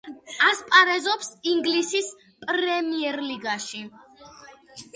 ასპარეზობს ინგლისის პრემიერლიგაში.